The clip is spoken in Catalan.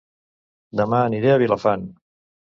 Dema aniré a Vilafant